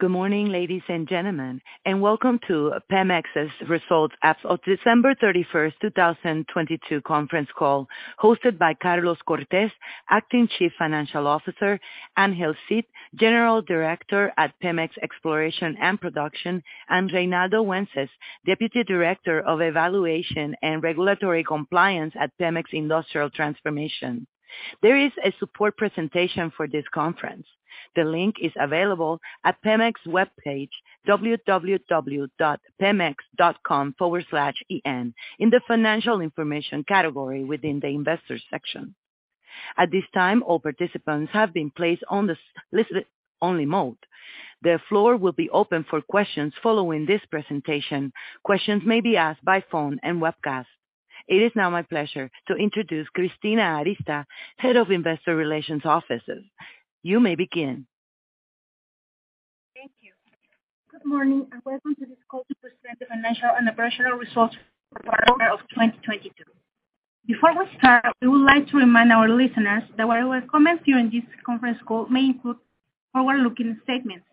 Good morning, ladies and gentlemen, and welcome to Pemex's Results as of December 31st, 2022 conference call, hosted by Carlos Cortez, Acting Chief Financial Officer, Ángel Cid, General Director at Pemex Exploración y Producción, and Reinaldo Wences, Deputy Director of Evaluation and Regulatory Compliance at Pemex Transformación Industrial. There is a support presentation for this conference. The link is available at Pemex webpage www.pemex.com/en in the Financial Information category within the Investors section. At this time, all participants have been placed on the listen only mode. The floor will be open for questions following this presentation. Questions may be asked by phone and webcast. It is now my pleasure to introduce Cristina Arjona, Head of Investor Relations Offices. You may begin. Thank you. Welcome to this call to present the financial and operational results for the quarter of 2022. Before we start, we would like to remind our listeners that whatever comments you in this conference call may include forward-looking statements.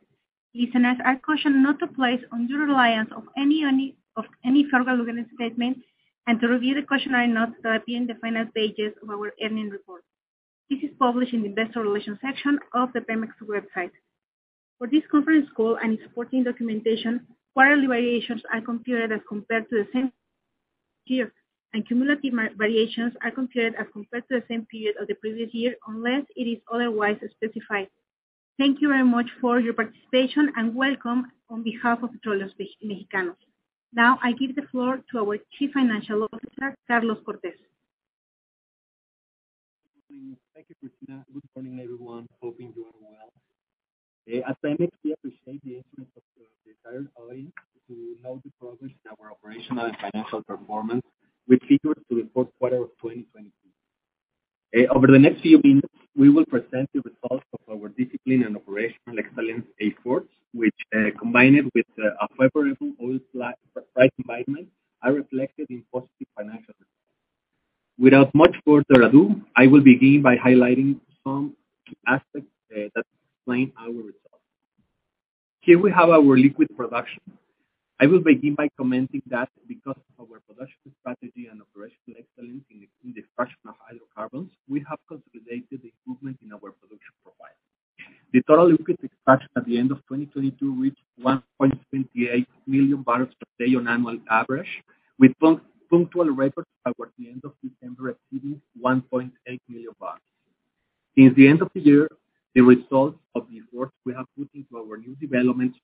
Listeners are cautioned not to place undue reliance on any forward-looking statements. To review the cautionary notes that appear in the finance pages of our earnings report. This is published in the investor relations section of the Pemex website. For this conference call, supporting documentation, quarterly variations are considered as compared to the same year. Cumulative variations are considered as compared to the same period of the previous year, unless it is otherwise specified. Thank you very much for your participation. Welcome on behalf of Petróleos Mexicanos. I give the floor to our Chief Financial Officer, Carlos Cortez. Good morning. Thank you, Cristina. Good morning, everyone. Hoping you are well. At Pemex, we appreciate the interest of the entire audience to know the progress in our operational and financial performance with regards to the fourth quarter of 2022. Over the next few minutes, we will present the results of our discipline and operational excellence efforts, which combined with a favorable oil price environment, are reflected in positive financial results. Without much further ado, I will begin by highlighting some aspects that explain our results. Here we have our liquid production. I will begin by commenting that because of our production strategy and operational excellence in the extraction of hydrocarbons, we have consolidated the improvement in our production profile. The total liquid expansion at the end of 2022 reached 1.28 million barrels per day on annual average, with punctual records towards the end of December exceeding 1.8 million barrels. Since the end of the year, the results of the efforts we have put into our new developments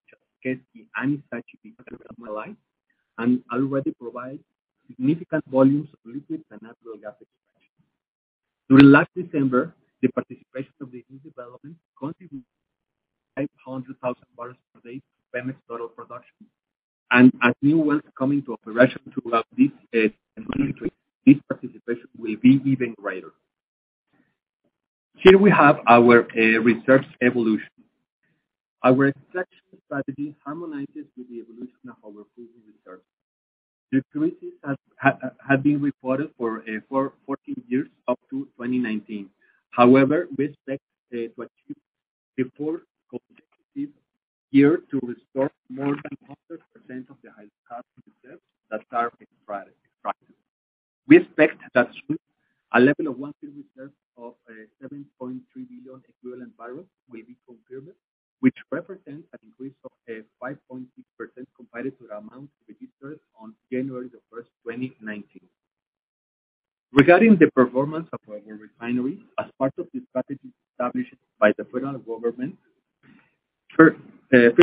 has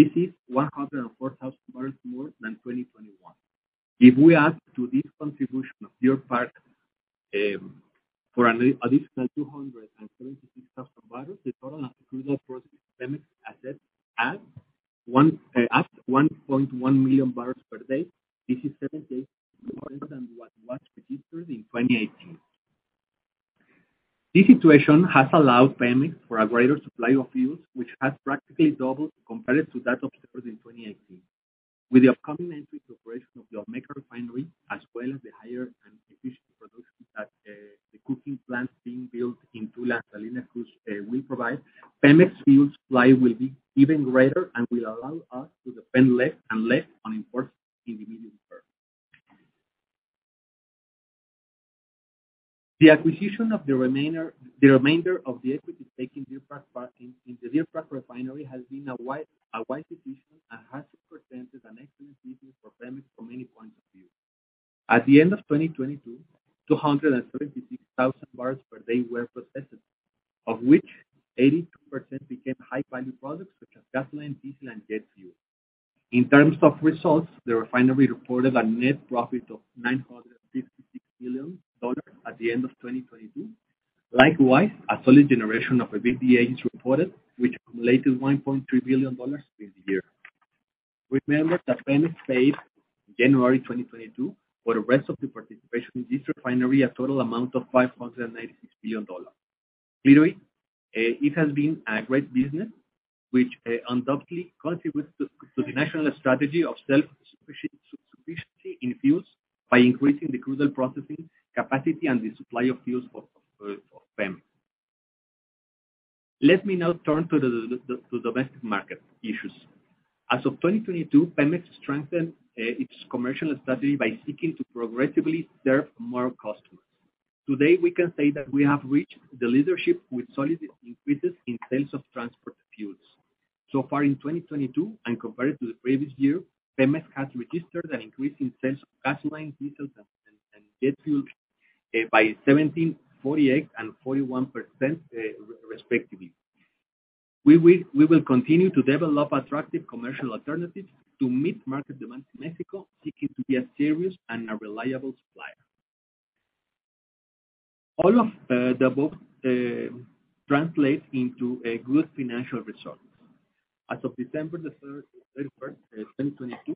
kept the acquisition of the remainder, the remainder of the equity stake in Deer Park, in the Deer Park Refinery has been a wise, a wise decision and has represented an excellent business for Pemex from many points of view. At the end of 2022, 236,000 barrels per day were processed, of which 82% became high-value products such as gasoline, diesel, and jet fuel. In terms of results, the refinery reported a net profit of $956 million at the end of 2022. A solid generation of EBITDA is reported, which accumulated $1.3 billion this year. Remember that Pemex paid January 2022 for the rest of the participation in this refinery, a total amount of $596 billion. It has been a great business which undoubtedly contributes to the national strategy of self-sufficiency in fuels by increasing the crucial processing capacity and the supply of fuels for Pemex. Let me now turn to the domestic market issues. As of 2022, Pemex strengthened its commercial strategy by seeking to progressively serve more customers. Today, we can say that we have reached the leadership with solid increases in sales of transport fuels. In 2022, and compared to the previous year, Pemex has registered an increase in sales of gasoline, diesel and jet fuel by 17%, 48%, and 41%, respectively. We will continue to develop attractive commercial alternatives to meet market demands in Mexico, seeking to be a serious and a reliable supplier. All of the above translate into a good financial results. As of December the 31st, 2022,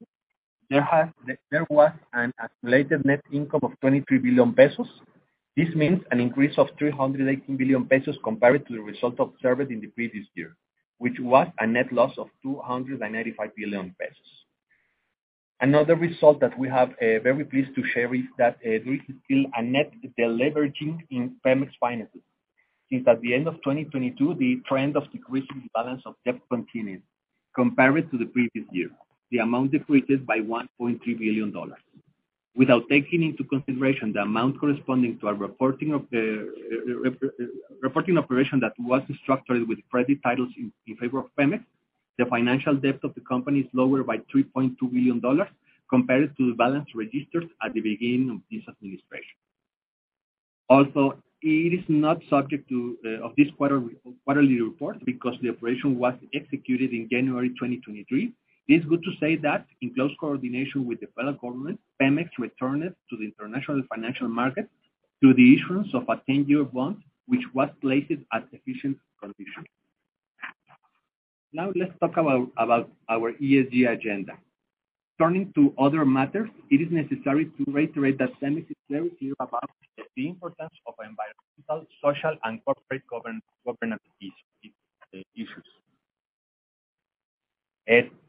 there was an accumulated net income of 23 billion pesos. This means an increase of 318 billion pesos compared to the result observed in the previous year, which was a net loss of 285 billion pesos. Another result that we have very pleased to share is that there is still a net deleveraging in Pemex finances. Since at the end of 2022, the trend of decreasing the balance of debt continues. Compared to the previous year, the amount decreased by $1.3 billion. Without taking into consideration the amount corresponding to our reporting of the, reporting operation that was structured with credit titles in favor of Pemex, the financial debt of the company is lower by $3.2 billion compared to the balance registered at the beginning of this administration. It is not subject to of this quarterly report because the operation was executed in January 2023. It is good to say that in close coordination with the federal government, Pemex returned to the international financial market through the issuance of a 10-year bond, which was placed at efficient conditions. Let's talk about our ESG agenda. Turning to other matters, it is necessary to reiterate that Pemex is very clear about the importance of environmental, social and corporate governance issues.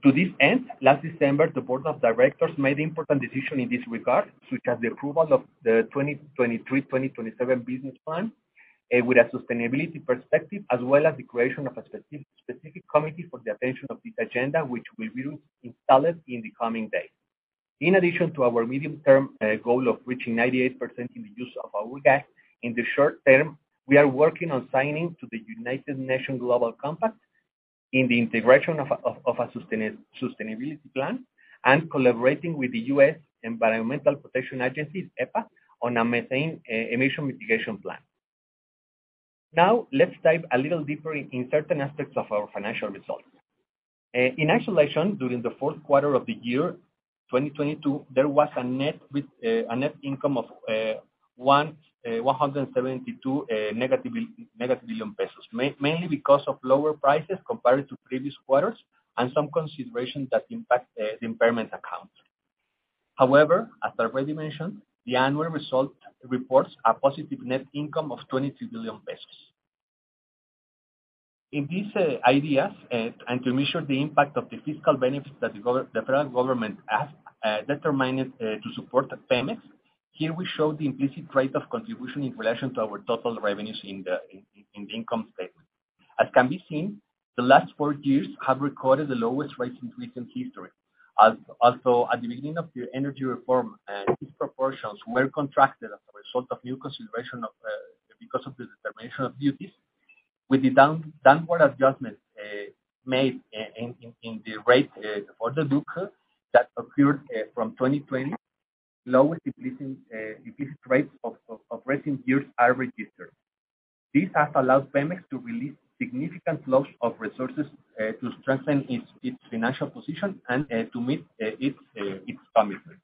To this end, last December, the board of directors made important decision in this regard, such as the approval of the 2023/2027 business plan with a sustainability perspective, as well as the creation of a specific committee for the attention of this agenda, which will be installed in the coming days. In addition to our medium term goal of reaching 98% in the use of our gas, in the short term, we are working on signing to the United Nations Global Compact in the integration of a sustainability plan and collaborating with the U.S. Environmental Protection Agency, EPA, on a methane emission mitigation plan. Let's dive a little deeper in certain aspects of our financial results. In isolation, during the fourth quarter of the year, 2022, there was a net income of negative 172 billion pesos, mainly because of lower prices compared to previous quarters and some considerations that impact the impairment account. As I've already mentioned, the annual result reports a positive net income of 22 billion pesos. In these ideas, to measure the impact of the fiscal benefits that the federal government has determined to support Pemex, here we show the implicit rate of contribution in relation to our total revenues in the income statement. As can be seen, the last four years have recorded the lowest rates in recent history. At the beginning of the energy reform, these proportions were contracted as a result of new consideration of, because of the determination of duties. With the downward adjustment made in the rate for the DUC that occurred from 2020, lowest depleting depletion rates of recent years are registered. This has allowed PEMEX to release significant flows of resources to strengthen its financial position and to meet its commitment.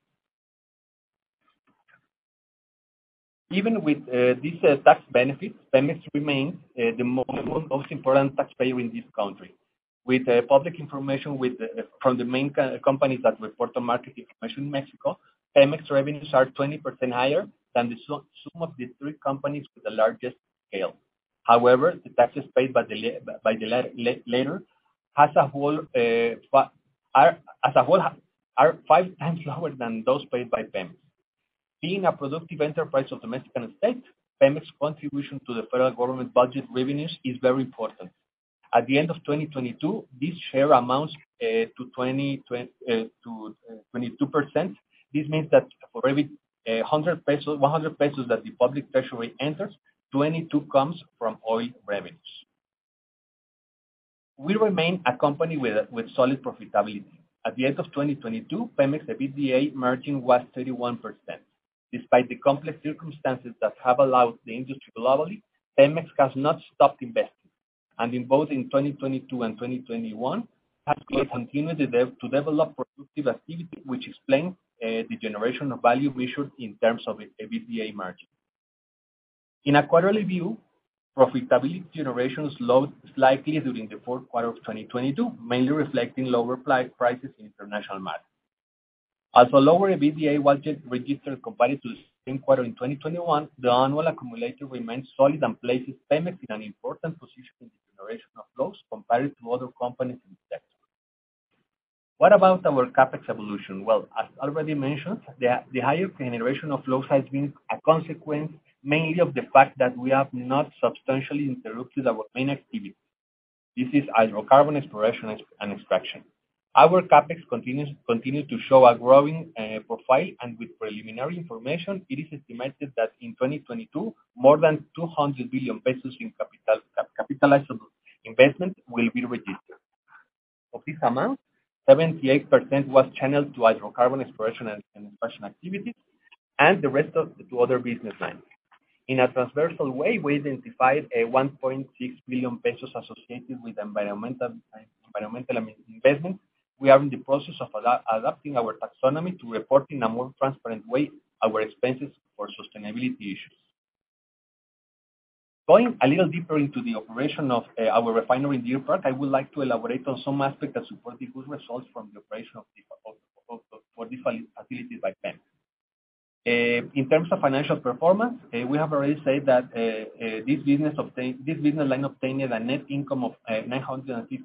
Even with these tax benefits, PEMEX remains the most important taxpayer in this country. With the public information from the main companies that report to market information in Mexico, PEMEX revenues are 20% higher than the sum of the three companies with the largest scale. The taxes paid by the later as a whole, are 5x lower than those paid by Pemex. Being a productive enterprise of the Mexican state, Pemex contribution to the federal government budget revenues is very important. At the end of 2022, this share amounts to 22%. This means that for every 100 pesos that the public treasury enters, 22 comes from oil revenues. We remain a company with solid profitability. At the end of 2022, Pemex EBITDA margin was 31%. Despite the complex circumstances that have allowed the industry globally, Pemex has not stopped investing. In both 2022 and 2021, Pemex continued to develop productive activity, which explain the generation of value measured in terms of EBITDA margin. In a quarterly view, profitability generation slowed slightly during the fourth quarter of 2022, mainly reflecting lower prices in international markets. As a lower EBITDA was registered compared to the same quarter in 2021, the annual accumulator remains solid and places Pemex in an important position in the generation of flows compared to other companies in the sector. What about our CapEx evolution? Well, as already mentioned, the higher generation of flow has been a consequence mainly of the fact that we have not substantially interrupted our main activity. This is hydrocarbon exploration and extraction. Our CapEx continues to show a growing profile, and with preliminary information, it is estimated that in 2022, more than 200 billion pesos in capitalizable investment will be registered. Of this amount, 78% was channeled to hydrocarbon exploration and extraction activities, and the rest of... to other business lines. In a transversal way, we identified 1.6 billion pesos associated with environmental and investment. We are in the process of adapting our taxonomy to report in a more transparent way our expenses for sustainability issues. Going a little deeper into the operation of our refinery near port, I would like to elaborate on some aspects that support the good results from the operation of the four different facilities by Pemex. In terms of financial performance, we have already said that this business line obtained a net income of $956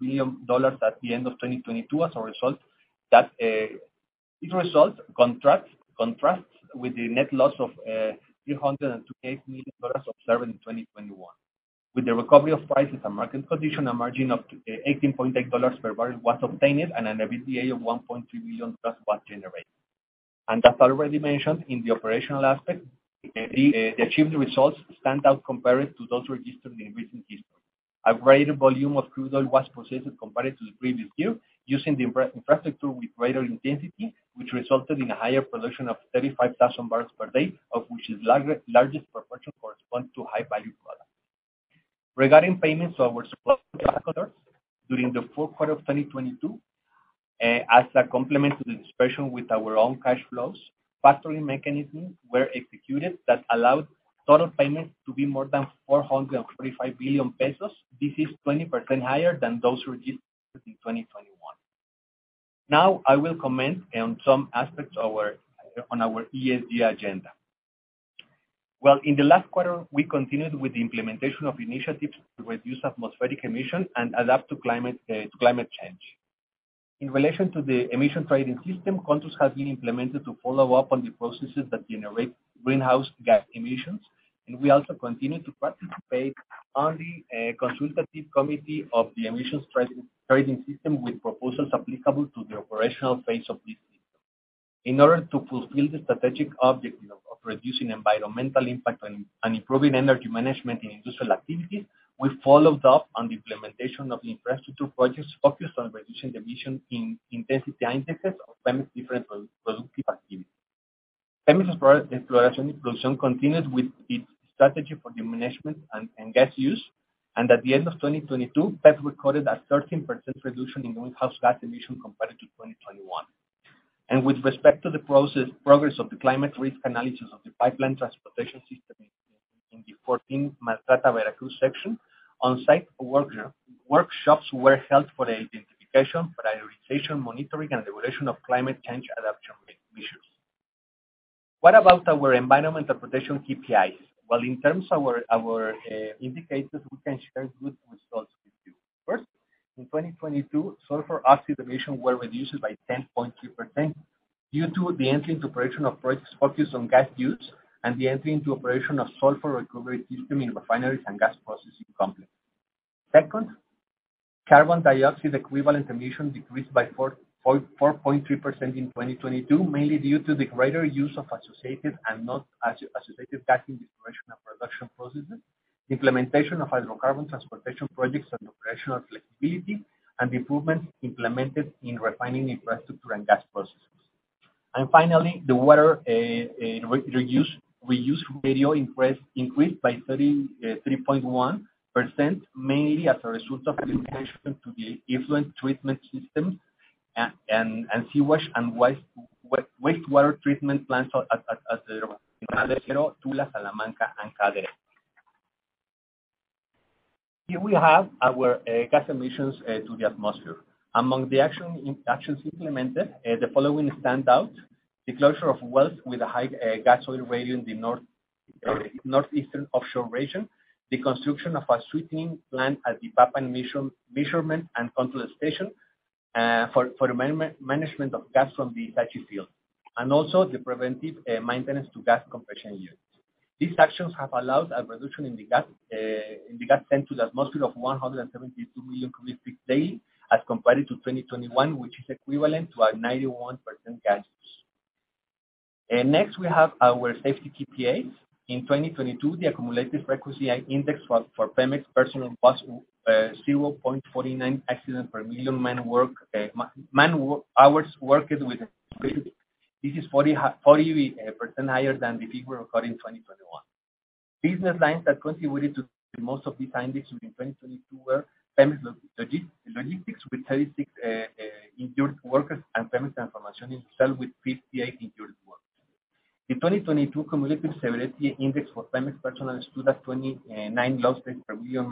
million at the end of 2022 as a result. This result contrasts with the net loss of $308 million observed in 2021. With the recovery of prices and market condition, a margin of $18.8 per barrel was obtained, and an EBITDA of $1.3 million thus was generated. As already mentioned, in the operational aspect, the achieved results stand out compared to those registered in recent history. A greater volume of crude oil was processed compared to the previous year using the infrastructure with greater intensity, which resulted in a higher production of 35,000 barrels per day, of which the largest proportion corresponds to high value products. Regarding payments to our suppliers during the fourth quarter of 2022, as a complement to the dispersion with our own cash flows, factoring mechanisms were executed that allowed total payments to be more than 445 billion pesos. This is 20% higher than those registered in 2021. I will comment on some aspects on our ESG agenda. In the last quarter, we continued with the implementation of initiatives to reduce atmospheric emission and adapt to climate change. In relation to the emissions trading system, controls have been implemented to follow up on the processes that generate greenhouse gas emissions. We also continue to participate on the consultative committee of the emissions trading system with proposals applicable to the operational phase of this system. In order to fulfill the strategic objective of reducing environmental impact and improving energy management in industrial activity, we followed up on the implementation of infrastructure projects focused on reducing emission in intensity indexes of Pemex different productive activities. Pemex exploration continued with its strategy for human management and gas use. At the end of 2022, Pemex recorded a 13% reduction in greenhouse gas emissions compared to 2021. With respect to the progress of the climate risk analysis of the pipeline transportation system in the 14 Maltrata-Veracruz section, on-site workshops were held for the identification, prioritization, monitoring, and evaluation of climate change adaptation measures. What about our environmental protection KPIs? Well, in terms of our indicators, we can share good results with you. First, in 2022, sulfur oxide emissions were reduced by 10.2% due to the entry into operation of projects focused on gas use and the entry into operation of sulfur recovery system in refineries and gas processing complex. Second, carbon dioxide equivalent emissions decreased by 4.3% in 2022, mainly due to the greater use of associated and not associated gas in the exploration and production processes, implementation of hydrocarbon transportation projects and operational flexibility, and the improvements implemented in refining infrastructure and gas processes. Finally, the water reuse ratio increased by 3.1%, mainly as a result of the implementation to the effluent treatment system and sewage and wastewater treatment plants at the Tula, Salamanca, and Cadereyta. Here we have our gas emissions to the atmosphere. Among the actions implemented, the following stand out: the closure of wells with a high gas oil ratio in the north, northeastern offshore region, the construction of a sweetening plant at the Papantla measurement and console station, for management of gas from the Tachi field, and also the preventive maintenance to gas compression units. These actions have allowed a reduction in the gas in the gas sent to the atmosphere of 172 million cubic feet daily as compared to 2021, which is equivalent to a 91% gas use. Next, we have our safety KPIs. In 2022, the accumulated frequency index for Pemex personnel was 0.49 accidents per million man hours worked. This is 40% higher than the figure recorded in 2021. Business lines that contributed to the most of these indexes in 2022 were Pemex Logística with 36 injured workers and Pemex Transformation itself with 58 injured workers. The 2022 cumulative severity index for Pemex personnel stood at 29 lost days per million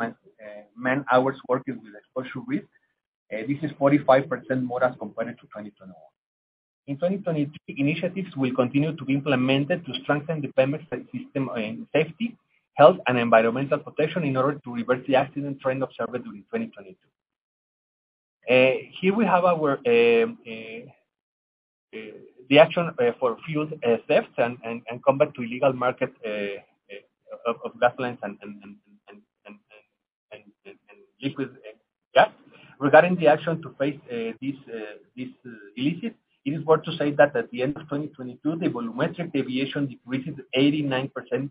man hours working with exposure risk. This is 45% more as compared to 2021. In 2023, initiatives will continue to be implemented to strengthen the Pemex system, safety, health, and environmental protection in order to reverse the accident trend observed during 2022. Here we have our the action for fuel thefts and combat to illegal market of gasoline and liquid gas. Regarding the action to face this illicit, it is worth to say that at the end of 2022, the volumetric deviation decreased 89%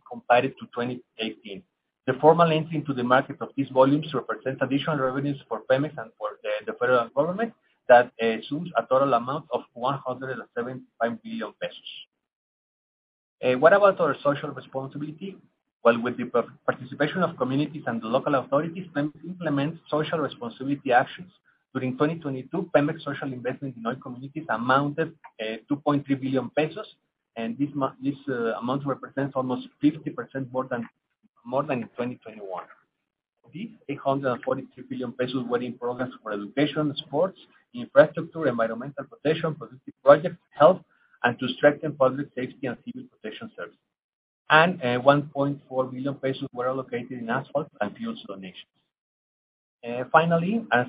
compared to 2018. The formal entry into the market of these volumes represents additional revenues for Pemex and for the federal government that sums a total amount of 175 billion pesos. What about our social responsibility? Well, with the participation of communities and the local authorities, Pemex implements social responsibility actions. During 2022, Pemex social investment in oil communities amounted 2.3 billion pesos, this amount represents almost 50% more than in 2021. Of this, 843 billion pesos were in programs for education, sports, infrastructure, environmental protection, productive projects, health, and to strengthen public safety and civil protection services. 1.4 billion pesos were allocated in asphalt and fuels donations. Finally, as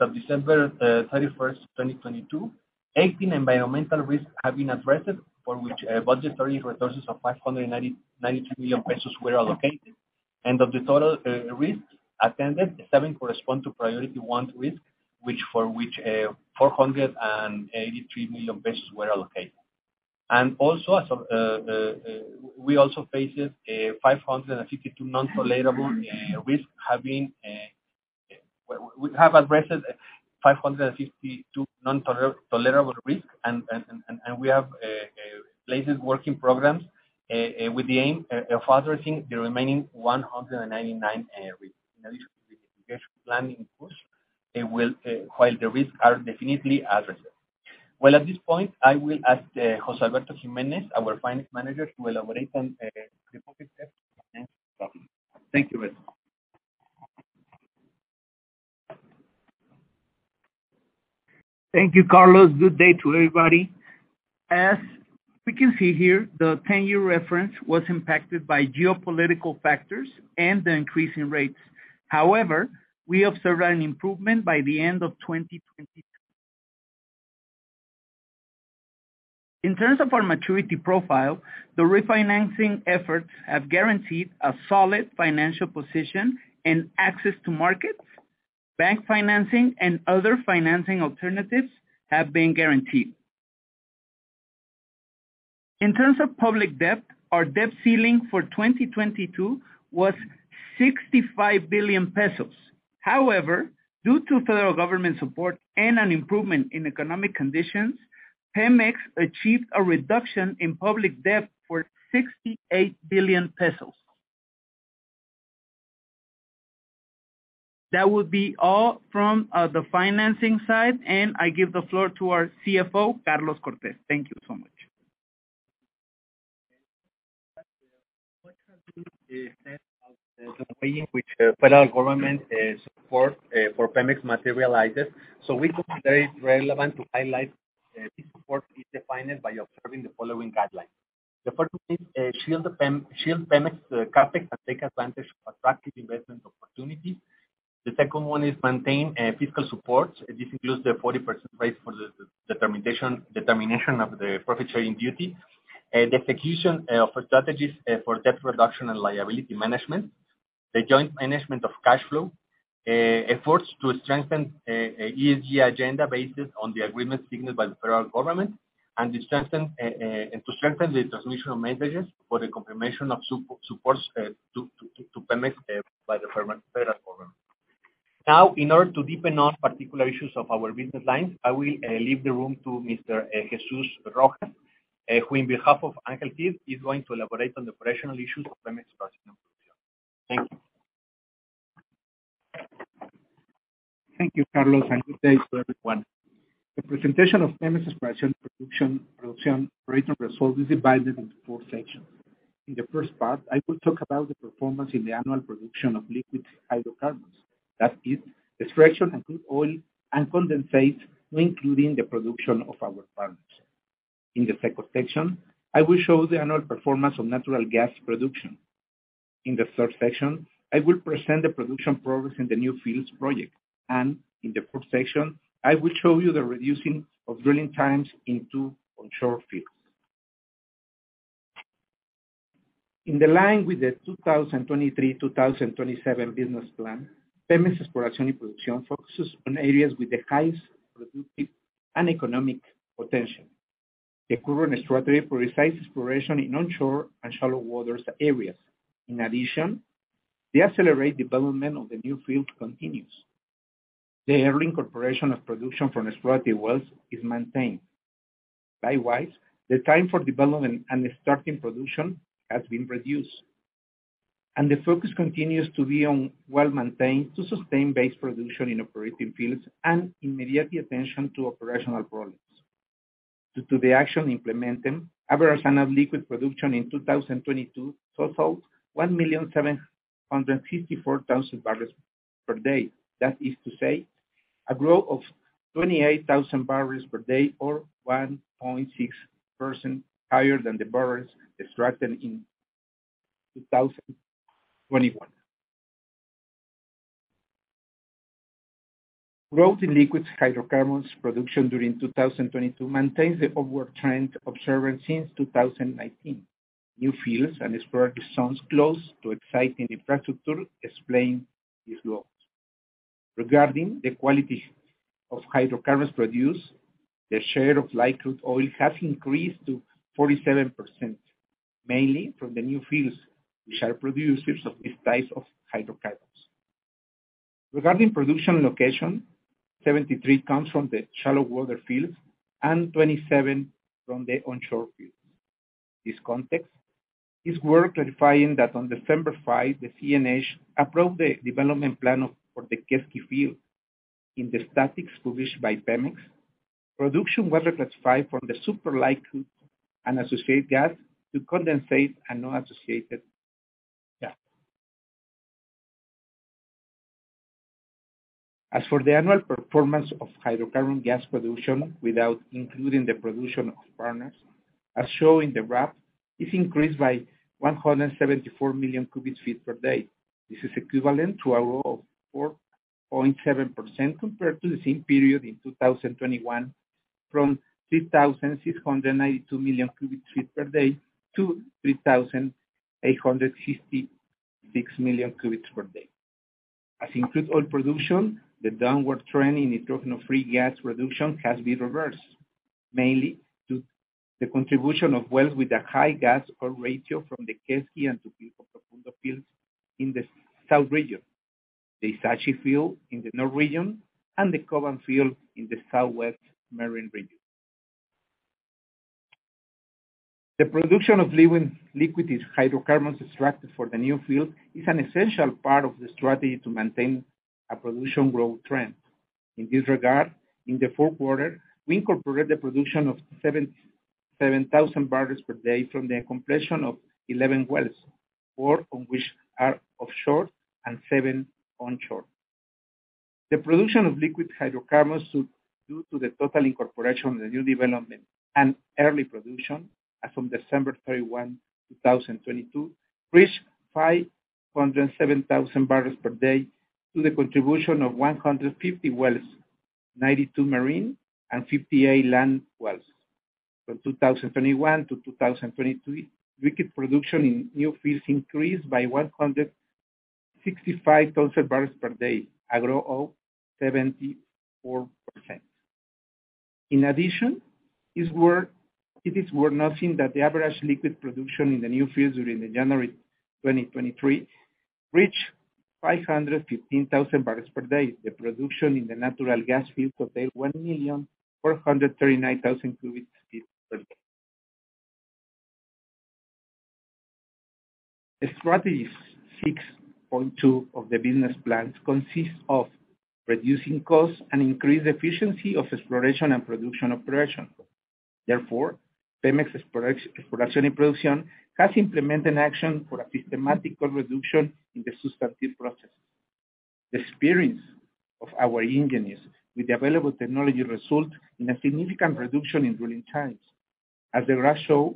of December 31st, 2022, 18 environmental risks have been addressed for which budgetary resources of 593 million pesos were allocated. Of the total risks attended, seven correspond to priority 1 risk, for which 483 million pesos were allocated. We have addressed 552 non-tolerable risk and we have placed working programs with the aim of addressing the remaining 199 risks. In addition to the integration planning in course, will, while the risks are definitely addressed. At this point, I will ask José Alberto Jiménez, our finance manager, to elaborate on the focus areas. Thanks. No problem. Thank you, Carlos. Thank you, Carlos. Good day to everybody. As we can see here, the ten-year reference was impacted by geopolitical factors and the increase in rates. We observed an improvement by the end of 2022. In terms of our maturity profile, the refinancing efforts have guaranteed a solid financial position and access to markets. Bank financing and other financing alternatives have been guaranteed. In terms of public debt, our debt ceiling for 2022 was 65 billion pesos. Due to federal government support and an improvement in economic conditions, Pemex achieved a reduction in public debt for 68 billion MXN. That would be all from the financing side, I give the floor to our CFO, Carlos Cortez. Thank you so much. What have we said about the way in which the federal government support for Pemex materializes? We consider it relevant to highlight this support is defined by observing the following guidelines. The first is shield Pemex CapEx and take advantage of attractive investment opportunities. The second one is maintain fiscal support. This includes the 40% rate for the determination of the profit-sharing duty. The execution of strategies for debt reduction and liability management. The joint management of cash flow. Efforts to strengthen ESG agenda based on the agreement signed by the federal government. To strengthen the transmission of messages for the confirmation of support to Pemex by the federal government. Now, in order to deepen on particular issues of our business lines, I will leave the room to Mr. Jesús Rojas, who on behalf of Ángel Cid is going to elaborate on the operational issues of Pemex Exploración y Producción. Thank you. Thank you, Carlos. Good day to everyone. The presentation of Pemex Exploración y Producción operating results is divided into four sections. In the first part, I will talk about the performance in the annual production of liquid hydrocarbons. That is extraction and crude oil and condensate, including the production of our partners. In the second section, I will show the annual performance of natural gas production. In the third section, I will present the production progress in the new fields project. In the fourth section, I will show you the reducing of drilling times in two onshore fields. In line with the 2023-2027 business plan, Pemex Exploración y Producción focuses on areas with the highest productive and economic potential. The current strategy for precise exploration in onshore and shallow waters areas. In addition, the accelerated development of the new field continues. The early incorporation of production from exploratory wells is maintained. Likewise, the time for development and starting production has been reduced, and the focus continues to be on well maintained to sustain base production in operating fields and immediate attention to operational problems. Due to the action implemented, average and liquid production in 2022 totaled 1,754,000 barrels per day. That is to say, a growth of 28,000 barrels per day or 1.6% higher than the barrels extracted in 2021. Growth in liquids hydrocarbons production during 2022 maintains the upward trend observed since 2019. New fields and exploratory zones close to existing infrastructure explain these growth. Regarding the quality of hydrocarbons produced, the share of light crude oil has increased to 47%, mainly from the new fields which are producers of this type of hydrocarbons. Regarding production location, 73 comes from the shallow water fields and 27 from the onshore fields. This context is worth clarifying that on December 5th, the CNH approved the development plan for the Quesqui field. In the statistics published by Pemex, production was classified from the super light crude and associated gas to condensate and non-associated gas. As for the annual performance of hydrocarbon gas production, without including the production of partners, as shown in the graph, it increased by 174 million cubic feet per day. This is equivalent to a growth of 4.7% compared to the same period in 2021 from 3,692 million cubic feet per day to 3,866 million cubic feet per day. As in crude oil production, the downward trend in the total of free gas production has been reversed, mainly due to the contribution of wells with a high gas oil ratio from the Quesqui and Tupilco Profundo fields in the south region, the Ixachi field in the north region, and the Koban field in the southwest marine region. The production of liquids hydrocarbons extracted for the new field is an essential part of the strategy to maintain a production growth trend. In this regard, in the fourth quarter, we incorporated the production of 7,000 barrels per day from the completion of 11 wells, 4 wells of which are offshore and 7 wells onshore. The production of liquid hydrocarbons due to the total incorporation of the new development and early production as from December 31, 2022, reached 507,000 barrels per day through the contribution of 150 wells, 92 marine and 58 land wells. From 2021-2022, liquid production in new fields increased by 165,000 barrels per day, a growth of 74%. In addition, it is worth noting that the average liquid production in the new fields during January 2023 reached 515,000 barrels per day. The production in the natural gas fields totaled 1,439,000 cubic feet per day. Strategy 6.2 of the business plan consists of reducing costs and increase efficiency of exploration and production operations. Pemex's exploration and production has implemented action for a systematic cost reduction in the substantive processes. The experience of our engineers with the available technology result in a significant reduction in drilling times. As the graph show,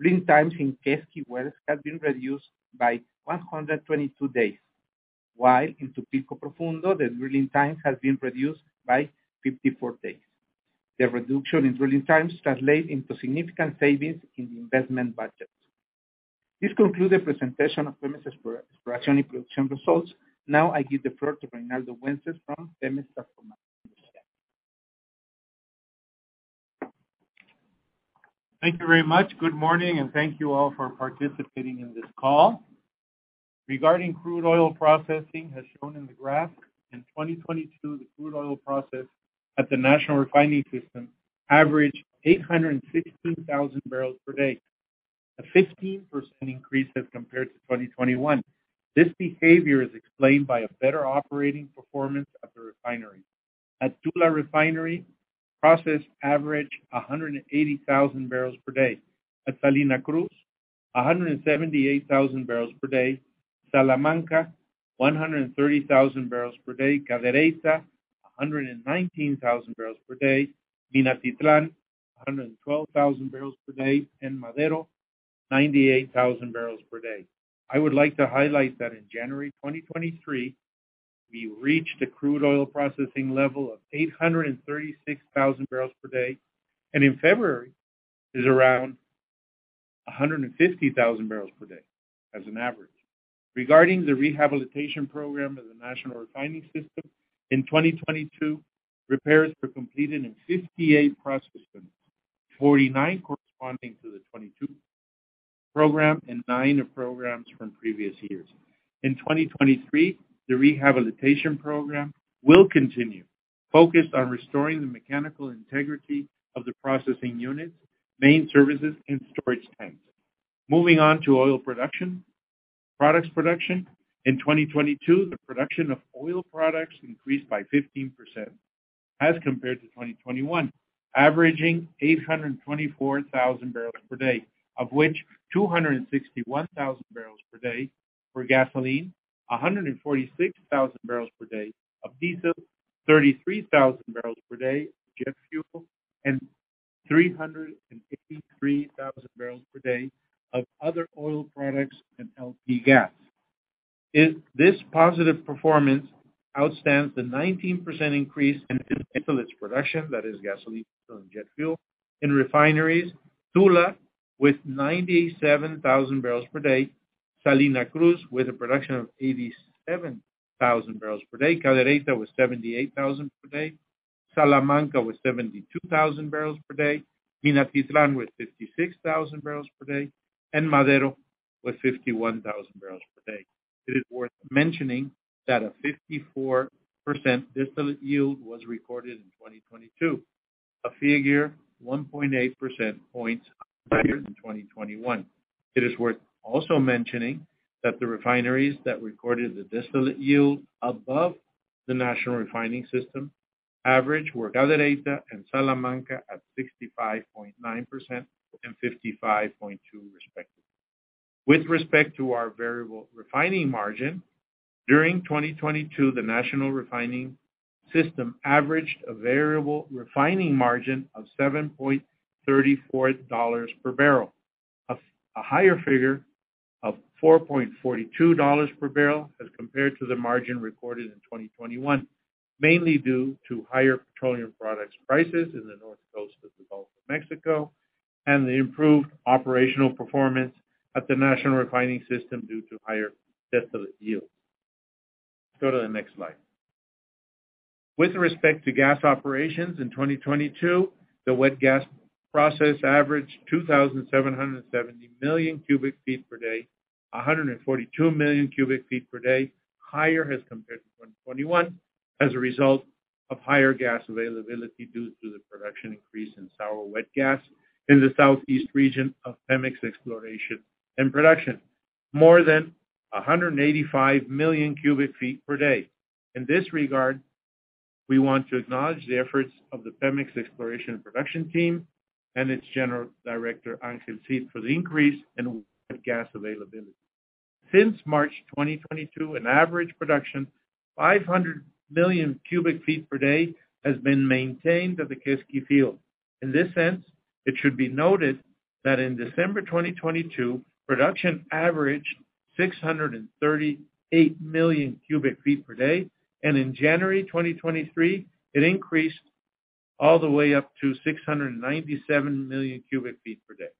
drilling times in Quesqui wells has been reduced by 122 days, while in Tupilco Profundo, the drilling time has been reduced by 54 days. The reduction in drilling times translate into significant savings in the investment budget. This concludes the presentation of Pemex's exploration and production results. I give the floor to Reinaldo Wences from Pemex Transformation. Thank you very much. Good morning, thank you all for participating in this call. Regarding crude oil processing, as shown in the graph, in 2022, the crude oil process at the national refining system averaged 816,000 barrels per day, a 15% increase as compared to 2021. This behavior is explained by a better operating performance of the refinery. At Tula Refinery, process average 180,000 barrels per day. At Salina Cruz, 178,000 barrels per day. Salamanca, 130,000 barrels per day. Cadereyta, 119,000 barrels per day. Minatitlán, 112,000 barrels per day. Madero, 98,000 barrels per day. I would like to highlight that in January 2023, we reached a crude oil processing level of 836,000 barrels per day, and in February is around 150,000 barrels per day as an average. Regarding the rehabilitation program of the national refining system, in 2022, repairs were completed in 58 processing plants, 49 corresponding to the 2022 Program and nine of programs from previous years. In 2023, the rehabilitation program will continue, focused on restoring the mechanical integrity of the processing units, main services, and storage tanks. Moving on to products production. In 2022, the production of oil products increased by 15% as compared to 2021, averaging 824,000 barrels per day, of which 261,000 barrels per day were gasoline, 146,000 barrels per day of diesel, 33,000 barrels per day of jet fuel, and 383,000 barrels per day of other oil products and LP gas. This positive performance outstands the 19% increase in distillate production, that is gasoline, diesel, and jet fuel. In refineries, Tula with 97,000 barrels per day, Salina Cruz with a production of 87,000 barrels per day, Cadereyta with 78,000 per day, Salamanca with 72,000 barrels per day, Minatitlán with 56,000 barrels per day, and Madero with 51,000 barrels per day. It is worth mentioning that a 54% distillate yield was recorded in 2022, a figure 1.8 percentage points higher than 2021. It is worth also mentioning that the refineries that recorded the distillate yield above the national refining system average were Cadereyta and Salamanca at 65.9% and 55.2% respectively. With respect to our variable refining margin, during 2022, the national refining system averaged a variable refining margin of $7.34 per barrel. A higher figure of $4.42 per barrel as compared to the margin recorded in 2021, mainly due to higher petroleum products prices in the north coast of the Gulf of Mexico and the improved operational performance at the national refining system due to higher distillate yields. Let's go to the next slide. With respect to gas operations in 2022, the wet gas process averaged 2,770 million cubic feet per day, 142 million cubic feet per day, higher as compared to 2021, as a result of higher gas availability due to the production increase in sour wet gas in the southeast region of Pemex Exploración y Producción, more than 185 million cubic feet per day. In this regard, we want to acknowledge the efforts of the Pemex Exploración y Producción team and its general director, Ángel Cid for the increase in wet gas availability. Since March 2022, an average production, 500 million cubic feet per day, has been maintained at the Chixchi field. In this sense, it should be noted that in December 2022, production averaged 638 million cubic feet per day, and in January 2023, it increased all the way up to 697 million cubic feet per day.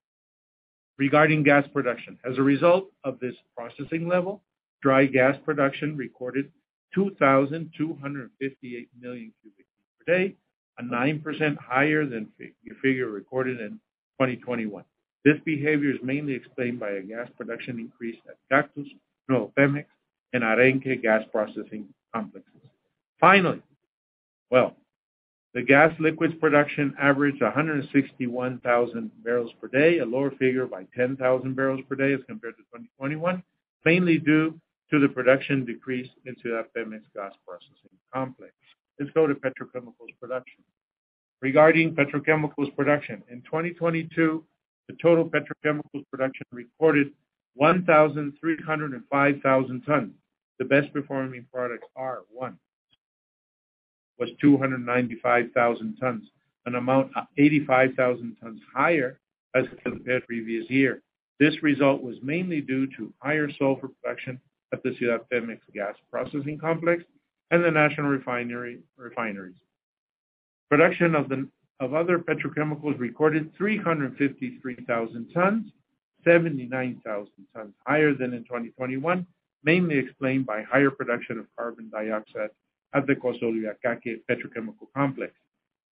Regarding gas production, as a result of this processing level, dry gas production recorded 2,258 million cubic feet per day, a 9% higher than the figure recorded in 2021. This behavior is mainly explained by a gas production increase at Cactus, Nuevo Pemex, and Arenque gas processing complexes. Finally, well, the gas liquids production averaged 161,000 barrels per day, a lower figure by 10,000 barrels per day as compared to 2021, mainly due to the production decrease in Ciudad Pemex gas processing complex. Let's go to petrochemicals production. Regarding petrochemicals production, in 2022, the total petrochemicals production recorded 1,305,000 tons. The best performing products are, one, was 295,000 tons, an amount, 85,000 tons higher as compared to previous year. This result was mainly due to higher sulfur production at the Ciudad Pemex gas processing complex and the national refineries. Production of other petrochemicals recorded 353,000 tons, 79,000 tons higher than in 2021, mainly explained by higher production of carbon dioxide at the Cosoleacaque Petrochemical Complex.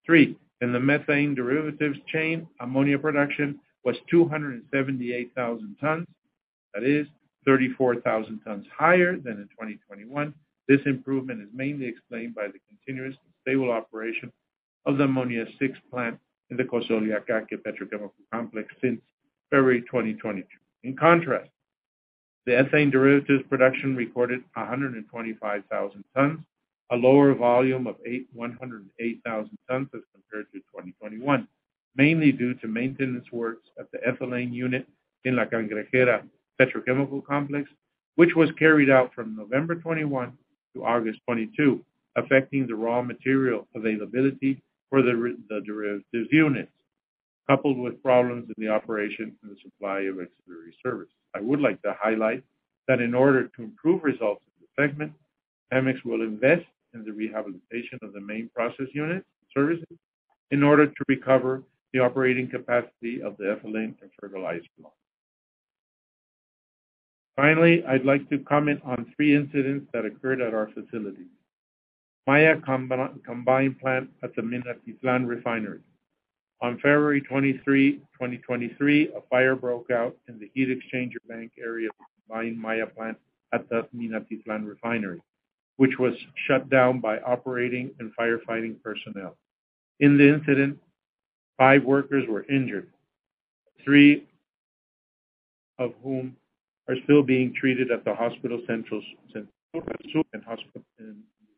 Three, in the methane derivatives chain, ammonia production was 278,000 tons, that is 34,000 tons higher than in 2021. This improvement is mainly explained by the continuous and stable operation of the Ammonia VI plant in the Cosoleacaque Petrochemical Complex since February 2022. In contrast, the ethane derivatives production recorded 125,000 tons, a lower volume of 108,000 tons as compared to 2021, mainly due to maintenance works at the ethylene unit in La Cangrejera Petrochemical Complex, which was carried out from November 2021-August 2022, affecting the raw material availability for the derivatives units, coupled with problems in the operation and the supply of ancillary service. I would like to highlight that in order to improve results of the segment, Pemex will invest in the rehabilitation of the main process unit services in order to recover the operating capacity of the ethylene and fertilizer plant. Finally, I'd like to comment on three incidents that occurred at our facility. Maya combined plant at the Minatitlán refinery. On February 23rd, 2023, a fire broke out in the heat exchanger bank area of the combined Maya plant at the Minatitlán refinery, which was shut down by operating and firefighting personnel. In the incident, five workers were injured, three of whom are still being treated at the Hospital Central and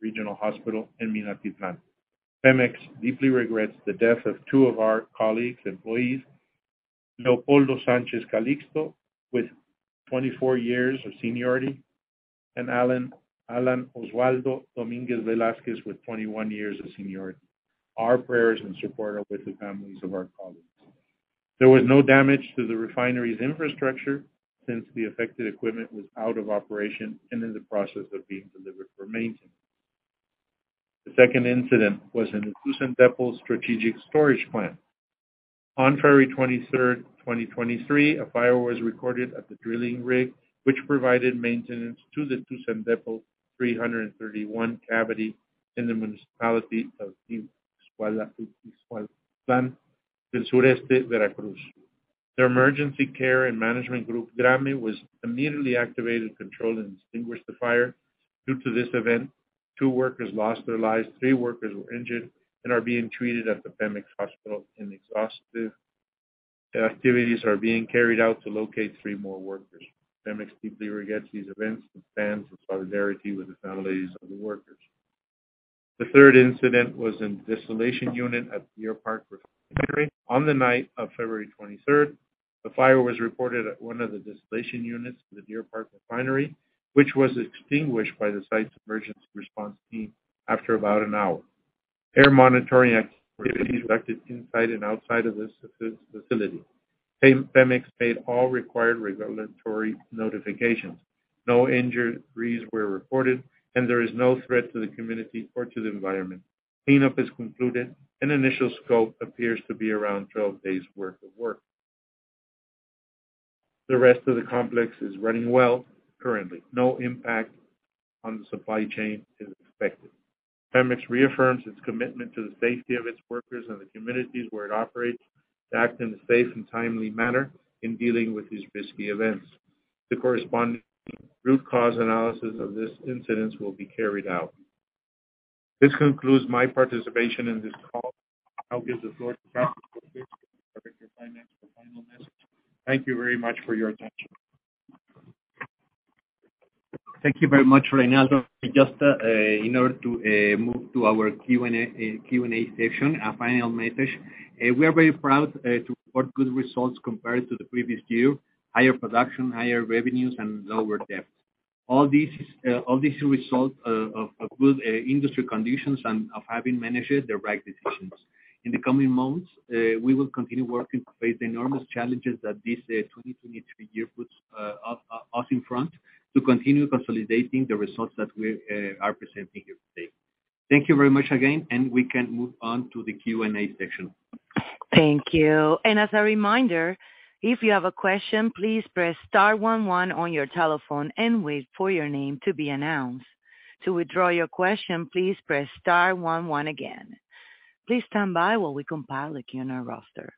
Regional Hospital in Minatitlán. Pemex deeply regrets the death of two of our colleagues, employees, Leopoldo Sánchez Calixto, with 24 years of seniority, and Alan Oswaldo Domínguez Velázquez, with 21 years of seniority. Our prayers and support are with the families of our colleagues. There was no damage to the refinery's infrastructure since the affected equipment was out of operation and in the process of being delivered for maintenance. The second incident was in the Tuzandépetl Strategic Storage Plant. On February 23rd, 2023, a fire was recorded at the drilling rig which provided maintenance to the Tuzandépetl 331 cavity in the municipality of The Emergency Care and Management Group, GRAME, was immediately activated to control and extinguish the fire. Due to this event, two workers lost their lives, three workers were injured and are being treated at the Pemex hospital, exhaustive activities are being carried out to locate three more workers. Pemex deeply regrets these events and stands in solidarity with the families of the workers. The third incident was in the distillation unit at Deer Park Refinery. On the night of February 23rd, the fire was reported at one of the distillation units of the Deer Park Refinery, which was extinguished by the site's emergency response team after about an hour. Air monitoring activities were conducted inside and outside of this facility. Pemex made all required regulatory notifications. No injuries were reported, and there is no threat to the community or to the environment. Cleanup is concluded, and initial scope appears to be around 12 days worth of work. The rest of the complex is running well. Currently, no impact on the supply chain is expected. Pemex reaffirms its commitment to the safety of its workers and the communities where it operates, to act in a safe and timely manner in dealing with these risky events. The corresponding root cause analysis of these incidents will be carried out. This concludes my participation in this call. I'll now give the floor to Ernesto Baltazar to provide the financial final message. Thank you very much for your attention. Thank you very much, Reynaldo. Just in order to move to our QNA, Q&A session, a final message. We are very proud to report good results compared to the previous year. Higher production, higher revenues and lower debt. All these result of good industry conditions and of having managed the right decisions. In the coming months, we will continue working to face the enormous challenges that this 2023 year puts us in front to continue consolidating the results that we are presenting here today. Thank you very much again, and we can move on to the Q&A section. Thank you. As a reminder, if you have a question, please press star one one on your telephone and wait for your name to be announced. To withdraw your question, please press star one one again. Please stand by while we compile the Q&A roster.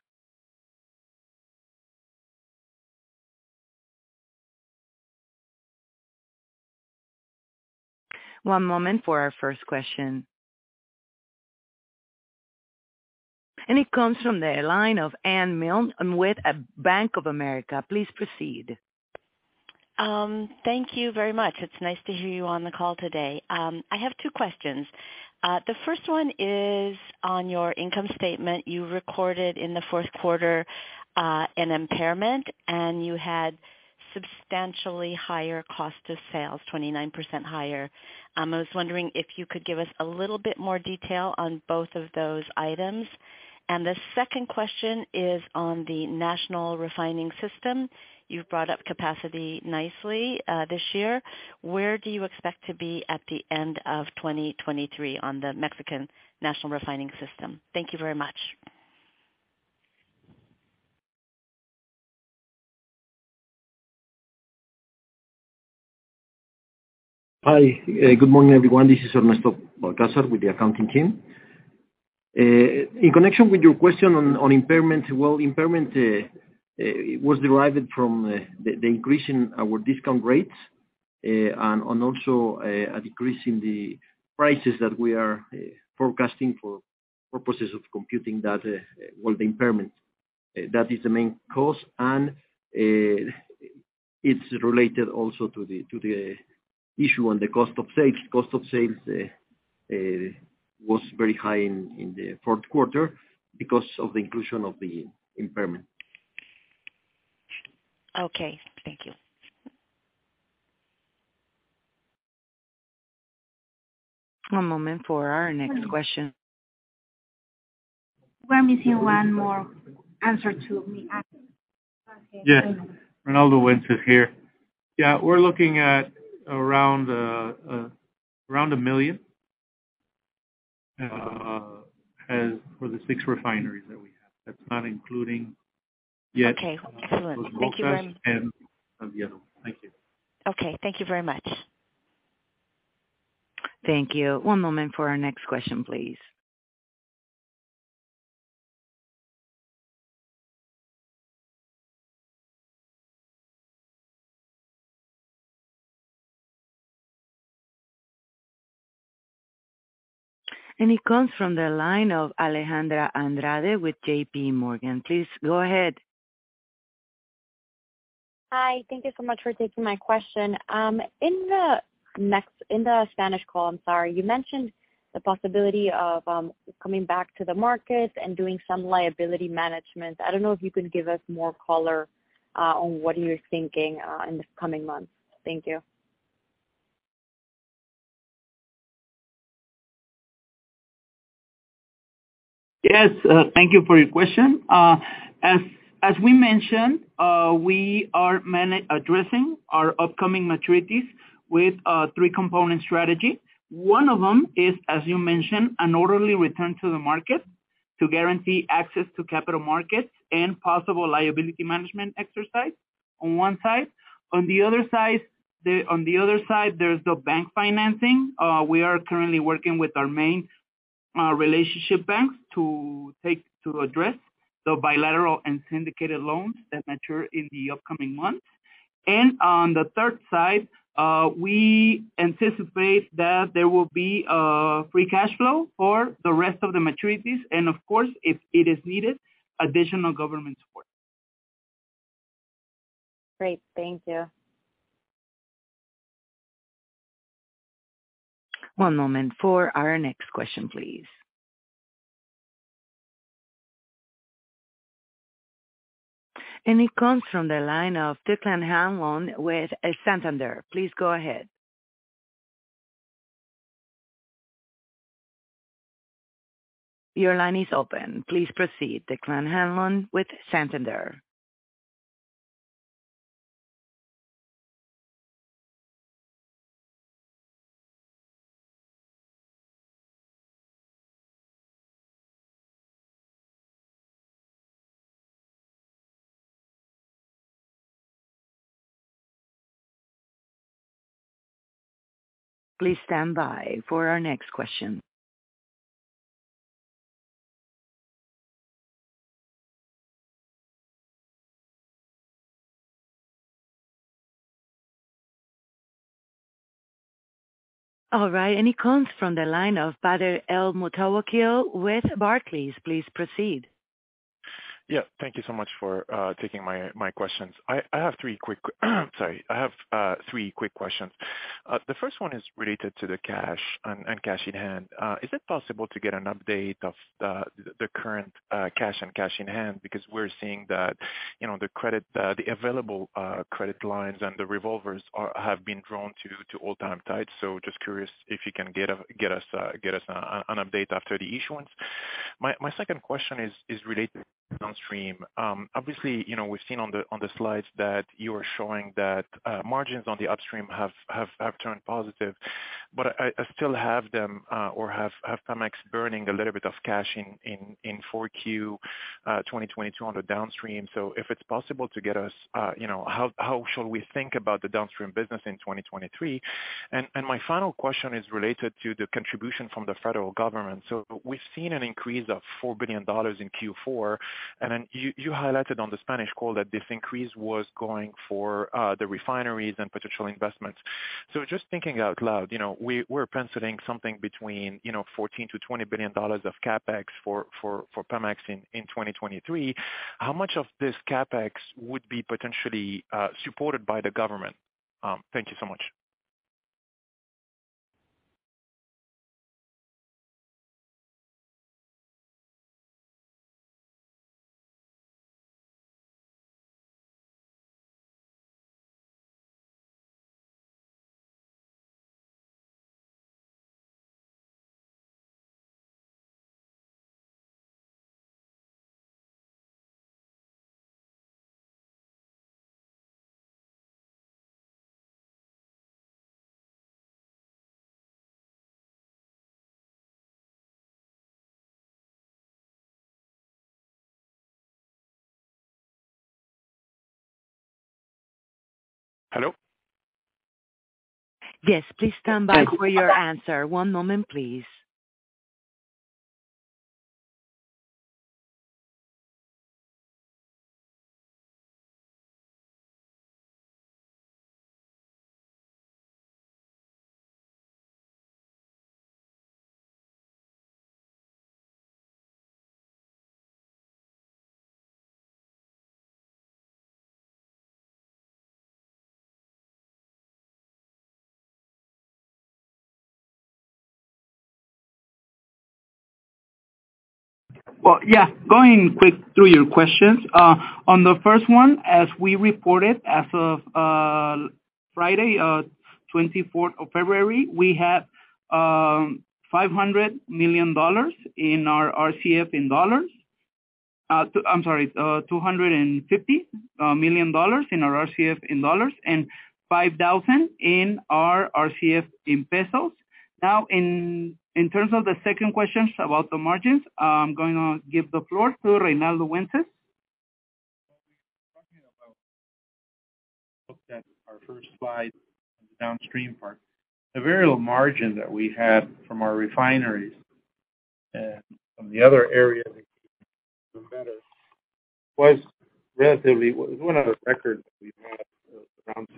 One moment for our first question. It comes from the line of Anne Milne with Bank of America. Please proceed. Thank you very much. It's nice to hear you on the call today. I have two questions. The first one is on your income statement. You recorded in the fourth quarter, an impairment, and you had substantially higher cost of sales, 29% higher. I was wondering if you could give us a little bit more detail on both of those items. The second question is on the national refining system. You've brought up capacity nicely, this year. Where do you expect to be at the end of 2023 on the Mexican national refining system? Thank you very much. Hi. Good morning, everyone. This is Ernesto Baltazar with the accounting team. In connection with your question on impairment, well, impairment was derived from the increase in our discount rates and also a decrease in the prices that we are forecasting for purposes of computing that, well, the impairment. That is the main cause. It's related also to the issue on the cost of sales. Cost of sales was very high in the fourth quarter because of the inclusion of the impairment. Okay. Thank you. One moment for our next question. We're missing one more answer to the Yes. Reinaldo Wences here. Yeah, we're looking at around $1 million. As for the 6 refineries that we have. That's not including. Okay, excellent. Thank you. The other one. Thank you. Okay, thank you very much. Thank you. One moment for our next question, please. It comes from the line of Alejandra Andrade with JPMorgan. Please go ahead. Hi. Thank you so much for taking my question. In the Spanish call, I'm sorry, you mentioned the possibility of coming back to the market and doing some liability management. I don't know if you can give us more color on what you're thinking in the coming months. Thank you. Yes. Thank you for your question. As we mentioned, we are addressing our upcoming maturities with a three-component strategy. One of them is, as you mentioned, an orderly return to the market to guarantee access to capital markets and possible liability management exercise on one side. On the other side, there's the bank financing. We are currently working with our main relationship banks to address the bilateral and syndicated loans that mature in the upcoming months. On the third side, we anticipate that there will be free cash flow for the rest of the maturities and of course, if it is needed, additional government support. Great. Thank you. One moment for our next question, please. It comes from the line of Declan Hanlon with Santander. Please go ahead. Your line is open. Please proceed. Declan Hanlon with Santander. Please stand by for our next question. All right, it comes from the line of Badr El Moutawakil with Barclays. Please proceed. Yeah. Thank you so much for taking my questions. I have three quick questions. The first one is related to the cash and cash in hand. Is it possible to get an update of the current cash and cash in hand? We're seeing that, you know, the credit, the available credit lines and the revolvers have been drawn to all-time tights. Just curious if you can get us an update after the issuance. My second question is related to downstream. Obviously, you know, we've seen on the slides that you are showing that margins on the upstream have turned positive. I still have them, or have Pemex burning a little bit of cash in 4Q 2022 on the downstream. If it's possible to get us, you know, how shall we think about the downstream business in 2023? My final question is related to the contribution from the federal government. We've seen an increase of $4 billion in Q4, and then you highlighted on the Spanish call that this increase was going for the refineries and potential investments. Just thinking out loud, you know, we're penciling something between, you know, $14 billion-$20 billion of CapEx for Pemex in 2023. How much of this CapEx would be potentially supported by the government? Thank you so much. Hello? Yes, please stand by for your answer. One moment, please. Well, yeah, going quick through your questions. On the first one, as we reported, as of Friday, 24th of February, we had $500 million in our RCF in dollars. I'm sorry, $250 million in our RCF in dollars and 5,000 in our RCF in MXN. In terms of the second question about the margins, I'm gonna give the floor to Reinaldo Wences. We were talking about, looked at our first slide on the downstream part. The variable margin that we had from our refineries and from the other areas that do better was relatively. It was one of the records that we had, around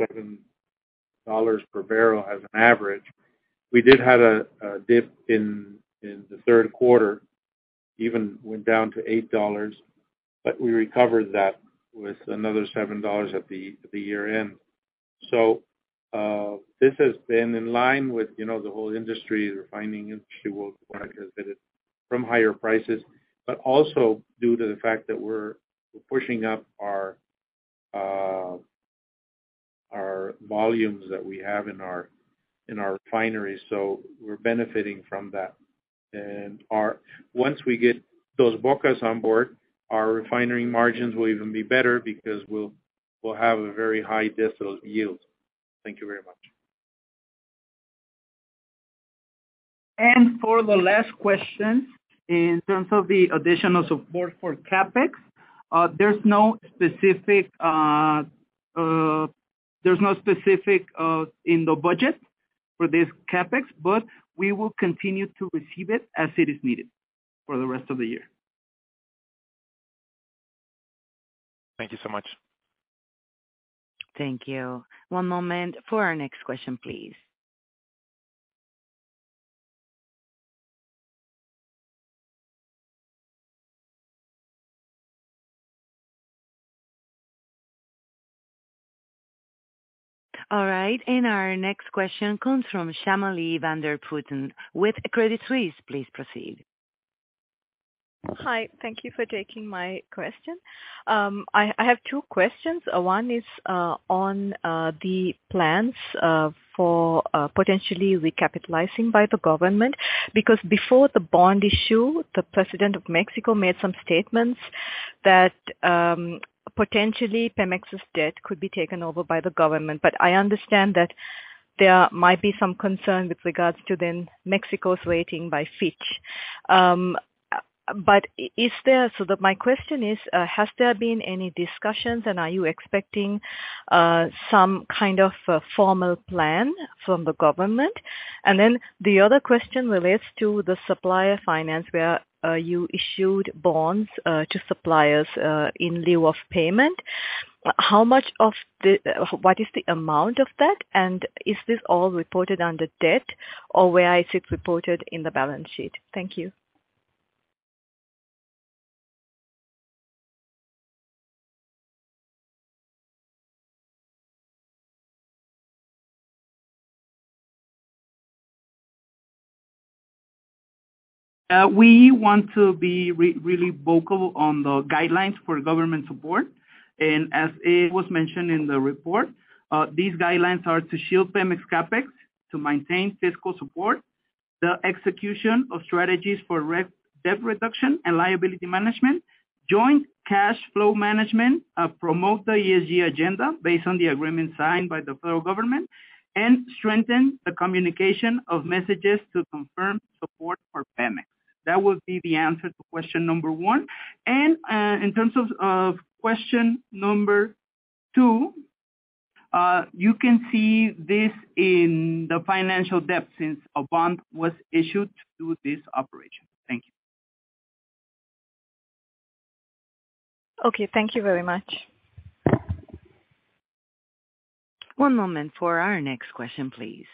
$7 per barrel as an average. We did have a dip in the third quarter, even went down to $8, but we recovered that with another $7 at the year end. This has been in line with, you know, the whole industry, refining industry, worldwide has benefited from higher prices, but also due to the fact that we're pushing up our volumes that we have in our refineries. We're benefiting from that. Our... Once we get Dos Bocas on board, our refinery margins will even be better because we'll have a very high diesel yield. Thank you very much. For the last question, in terms of the additional support for CapEx, there's no specific in the budget for this CapEx. We will continue to receive it as it is needed for the rest of the year. Thank you so much. Thank you. One moment for our next question, please. All right, our next question comes from Sharmila vanderputten with Credit Suisse. Please proceed. Hi, thank you for taking my question. I have two questions. One is on the plans for potentially recapitalizing by the government. Before the bond issue, the president of Mexico made some statements that potentially Pemex's debt could be taken over by the government. I understand that there might be some concern with regards to then Mexico's rating by Fitch. My question is, has there been any discussions and are you expecting some kind of a formal plan from the government? The other question relates to the supplier finance, where you issued bonds to suppliers in lieu of payment. What is the amount of that? Is this all reported under debt, or where is it reported in the balance sheet? Thank you. We want to be really vocal on the guidelines for government support. As it was mentioned in the report, these guidelines are to shield Pemex CapEx, to maintain fiscal support, the execution of strategies for debt reduction and liability management, joint cash flow management, promote the ESG agenda based on the agreement signed by the federal government, and strengthen the communication of messages to confirm support for Pemex. That would be the answer to question number one. In terms of question number two, you can see this in the financial debt since a bond was issued to this operation. Thank you. Okay, thank you very much. One moment for our next question, please.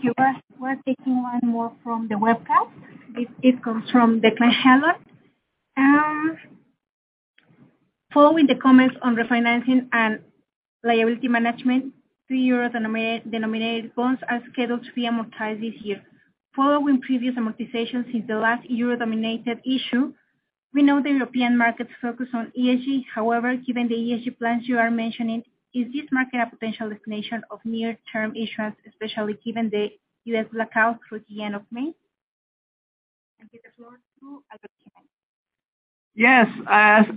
Thank you. We're taking one more from the webcast. It comes from Declan Heala. Following the comments on refinancing and liability management, three euro denominated bonds are scheduled to be amortized this year. Following previous amortization since the last euro-denominated issue, we know the European markets focus on ESG. However, given the ESG plans you are mentioning, is this market a potential destination of near-term issuance, especially given the U.S. blackout through the end of May? Give the floor to Alberto Peón. Yes.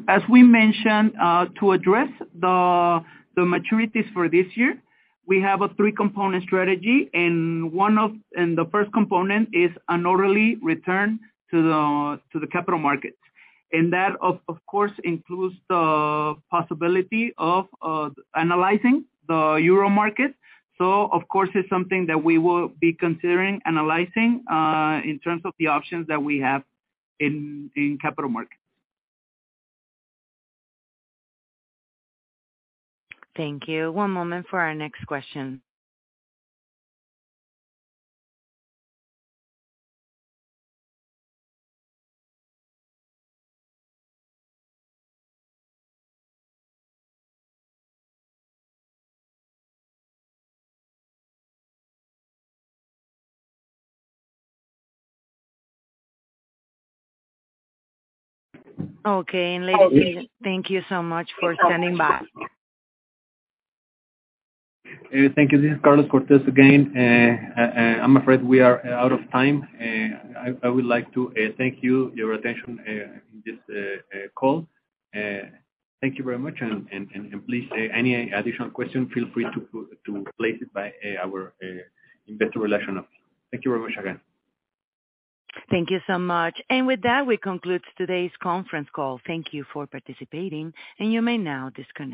As we mentioned, to address the maturities for this year, we have a three-component strategy. The first component is an orderly return to the capital markets. That of course includes the possibility of analyzing the euro market. Of course it's something that we will be considering analyzing in terms of the options that we have in capital markets. Thank you. One moment for our next question. Okay, ladies- Oh. Thank you so much for standing by. Thank you. This is Carlos Cortez again. I'm afraid we are out of time. I would like to thank you, your attention, in this call. Thank you very much. Please, any additional questions, feel free to place it by our investor relation office. Thank you very much again. Thank you so much. With that, we conclude today's conference call. Thank you for participating, and you may now disconnect.